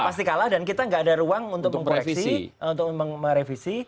pasti kalah dan kita tidak ada ruang untuk merevisi